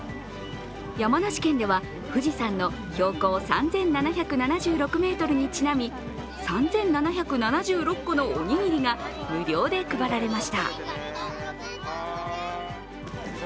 山梨県では富士山の標高３７７６ｍにちなみ３７７６個のおにぎりが無料で配られました。